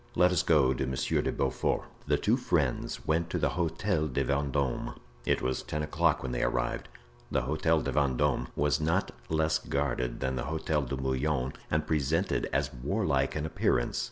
Let us go to Monsieur de Beaufort." The two friends went to the Hotel de Vendome. It was ten o'clock when they arrived. The Hotel de Vendome was not less guarded than the Hotel de Bouillon, and presented as warlike an appearance.